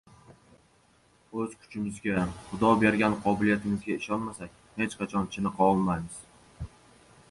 oʻz kuchimizga, Xudo bergan qobiliyatimizga ishonmasak, hech qachon chiniqa olmaymiz.